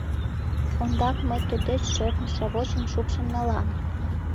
— Ондак мый туддеч шӧртньӧ сравочым шупшын налам...